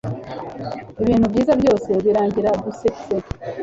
Ibintu byiza byose birangira dusetse